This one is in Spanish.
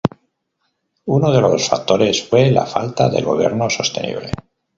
Uno de los factores fue la falta del gobierno sostenible.